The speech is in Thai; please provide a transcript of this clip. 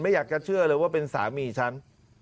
อยากจะเชื่อเลยว่าเป็นสามีฉัน